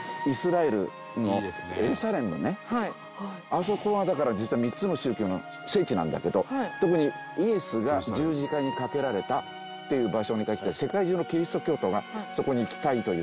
あそこはだから実は３つの宗教の聖地なんだけど特にイエスが十字架にかけられたっていう場所に対して世界中のキリスト教徒がそこに行きたいと言って。